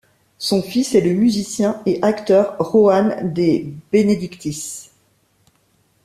Son fils est le musicien et acteur Juan De Benedictis.